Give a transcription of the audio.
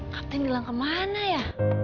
kapten bilang kemana ya